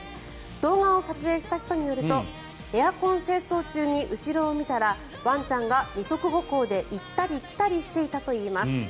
動画を撮影した人によるとエアコン清掃中に後ろを見たらワンちゃんが二足歩行で行ったり来たりしていたといいます。